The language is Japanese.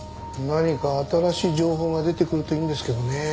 何か新しい情報が出てくるといいんですけどねえ。